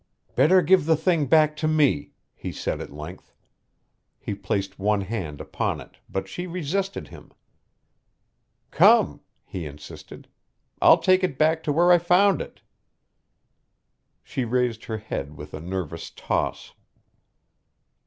"Better give the thing back to me," he said at length. He placed one hand upon it but she resisted him. "Come," he insisted, "I'll take it back to where I found it." She raised her head with a nervous toss.